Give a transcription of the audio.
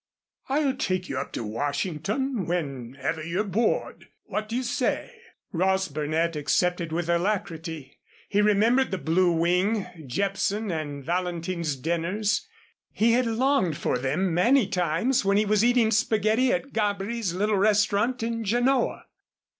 I'll take you up to Washington whenever you're bored. What do you say?" Ross Burnett accepted with alacrity. He remembered the Blue Wing, Jepson and Valentin's dinners. He had longed for them many times when he was eating spaghetti at Gabri's little restaurant in Genoa.